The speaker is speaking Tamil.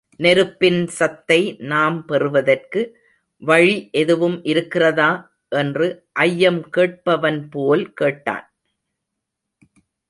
நெருப்பின் சத்தை நாம்பெறுவதற்கு... வழி... எதுவும் இருக்கிறதா? என்று ஐயம் கேட்பவன்போல் கேட்டான்.